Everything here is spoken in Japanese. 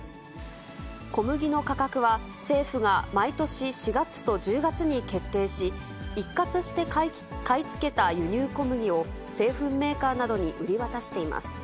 小麦の価格は、政府が毎年４月と１０月に決定し、一括して買い付けた輸入小麦を、製粉メーカーなどに売り渡しています。